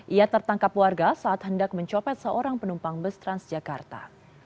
ia tertangkap warga saat hendak mencopet seorang penumpang bus transjakarta